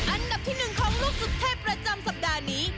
อันดับที่๑ของลูกสุดเทพประจำสัปดาห์นี้